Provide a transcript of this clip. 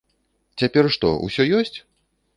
Цяпер што, усё ёсць?!